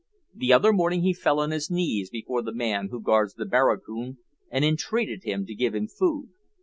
The other morning he fell on his knees before the man who guards the barracoon and entreated him to give him food.